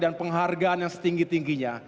dan penghargaan yang setinggi tingginya